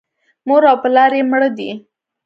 مور او پلار یې مړه دي .